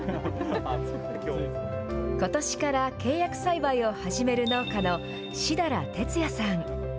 ことしから契約栽培を始める農家の設楽哲也さん。